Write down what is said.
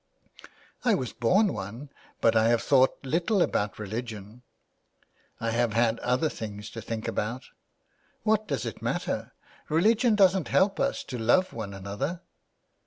" I was born one, but I have thought little about religion. I have had other things to think about. What does it matter? Religion doesn't help us to love one another.'